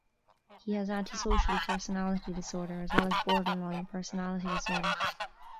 He has antisocial personality disorder as well as borderline personality disorder.